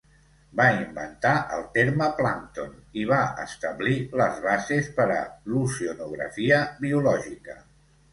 Va inventar el terme plàncton i va establir les bases per a l'oceanografia biològica.